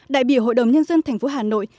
đại biểu hội đồng nhân dân thành phố hà nội